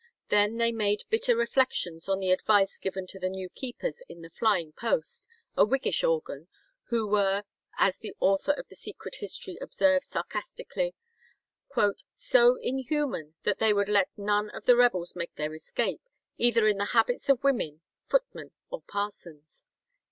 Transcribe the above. Then they made bitter reflections on the advice given to the new keepers in the Flying Post, a Whiggish organ, who were, as the author of the "Secret History" observes sarcastically, "so inhuman, that they would let none of the rebels make their escape, either in the habits of women, footmen, or parsons."